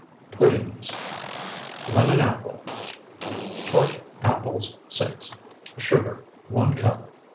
PUDDINGS LEMON APPLE Tart apples, 6. Sugar, 1 cup.